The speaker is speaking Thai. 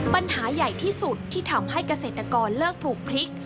ปัญหาใหญ่ที่สุดที่ทำให้เกษตรกรเลิกปลูกพริก